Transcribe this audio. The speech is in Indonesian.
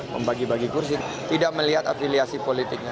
membagi bagi kursi tidak melihat afiliasi politiknya